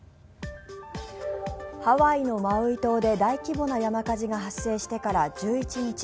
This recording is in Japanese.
ハワイのマウイ島で大規模な山火事が発生してから１１日。